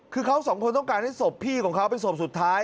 คือเขาสองคนต้องการให้ศพพี่ของเขาเป็นศพสุดท้าย